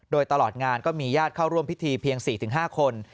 โดยตลอดงานก็มีญาติเข้าร่วมพิธีเพียง๔๕คน